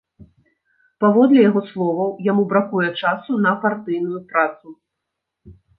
Паводле яго словаў, яму бракуе часу на партыйную працу.